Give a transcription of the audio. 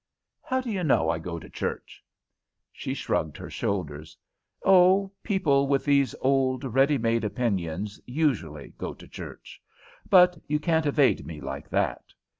"How do you know I go to church?" She shrugged her shoulders. "Oh, people with these old, ready made opinions usually go to church. But you can't evade me like that."